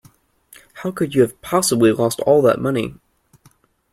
How could you have possibly lost all that money?